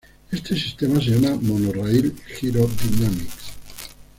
Este sistema se llama monorraíl "Gyro-Dynamics".